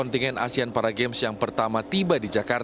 jadi bagaimana itu harus dilakukan